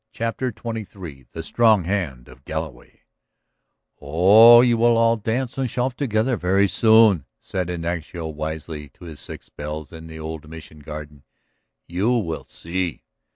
CHAPTER XXIII THE STRONG HAND OF GALLOWAY "Oh, you will all dance and shout together very soon," said Ignacio wisely to his six bells in the old Mission garden. "You will see!